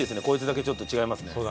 こいつだけちょっと違いますね。